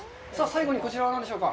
最後にこちらは何でしょうか。